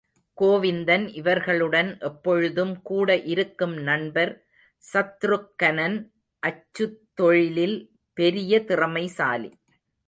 கோவிந்தன் இவர்களுடன் எப்பொழுதும் கூட இருக்கும் நண்பர் சத்ருக்கனன் அச்சுத் தொழிலில் பெரிய திறமைசாலி.